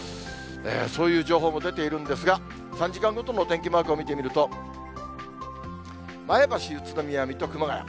そういう情報も出ているんですが、３時間ごとのお天気マークを見てみると、前橋、宇都宮、水戸、熊谷。